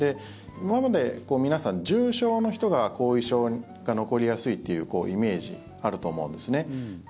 今まで皆さん、重症の人が後遺症が残りやすいというイメージ、あると思うんですね。